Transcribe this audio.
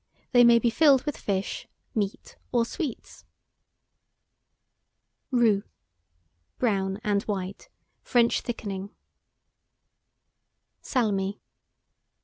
They may be filled with fish, meat, or sweets. ROUX. Brown and white; French thickening. SALMI.